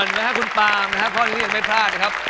ขอบคุณพี่สวมบ้านครับ